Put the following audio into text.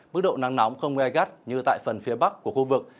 mức độ nắng nóng không gai gắt như tại phần phía bắc của khu vực